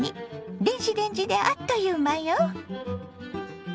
電子レンジであっという間よ。